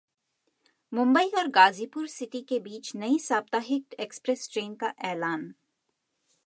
मुंबई और गाज़ीपुर सिटी के बीच नई साप्ताहिक एक्सप्रेस ट्रेन का ऐलान